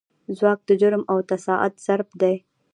ځواک د جرم او تساعد ضرب دی.